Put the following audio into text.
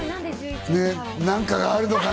何かがあるのかな？